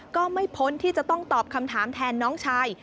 ก็ไม่พ้นที่จะต้องตอบคำถามแทนน้องชาย